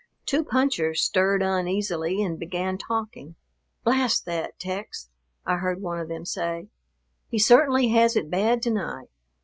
Two punchers stirred uneasily and began talking. "Blast that Tex," I heard one of them say, "he certainly has it bad to night.